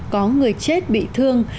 có người chết bị thương